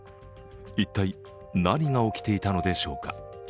一体何が起きていたのでしょうか。